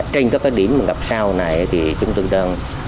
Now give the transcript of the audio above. trên các điểm ngập sâu này chúng tôi đang